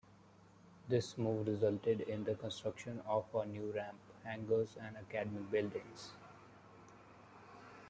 This move resulted in the construction of a new ramp, hangars and academic buildings.